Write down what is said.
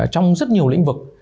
trong rất nhiều lĩnh vực